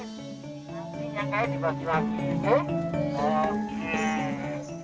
yang kaya dibagi bagi